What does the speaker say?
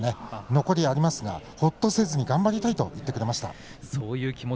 残りありますが落とさずに頑張りたいと言ってくれました。